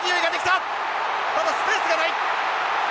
ただスペースがない！